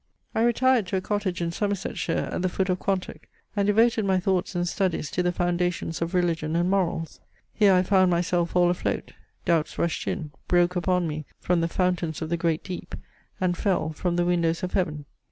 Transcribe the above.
I retired to a cottage in Somersetshire at the foot of Quantock, and devoted my thoughts and studies to the foundations of religion and morals. Here I found myself all afloat. Doubts rushed in; broke upon me "from the fountains of the great deep," and fell "from the windows of heaven."